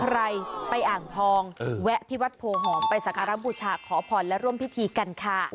ใครไปอ่างทองแวะที่วัดโพหอมไปสักการะบูชาขอพรและร่วมพิธีกันค่ะ